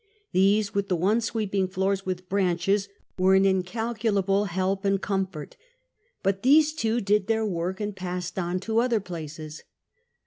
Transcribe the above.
These, with the one sweeping floors with branches, were an incalculable help and comfort; but these two did their work and passed on to other places.